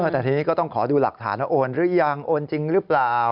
แต่ทีนี้ก็ต้องขอดูหลักฐานว่าโอนหรือยังโอนจริงหรือเปล่า